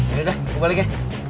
yaudah gue balik ya